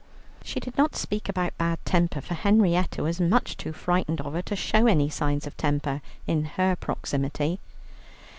She did not speak about bad temper, for Henrietta was much too frightened of her to show any signs of temper in her proximity.